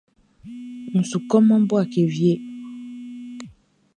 N su kɔman Bouaké wie.